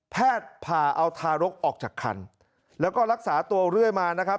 แพทย์ผ่าเอาทารกออกจากคันแล้วก็รักษาตัวเรื่อยมานะครับ